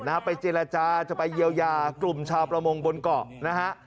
นะฮะไปเจรจาจะไปเยียวยากลุ่มชาวประมงบนเกาะนะฮะ